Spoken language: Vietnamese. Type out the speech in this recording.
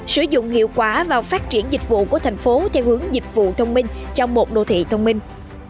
sử dụng hiệu quả và phát triển dịch vụ của thành phố theo hướng dịch vụ thông minh trong một đô thị thông minh